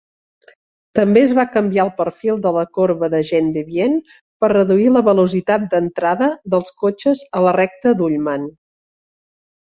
També es va canviar el perfil de la corba de Gendebien per reduir la velocitat d'entrada dels cotxes a la recta d'Ullman.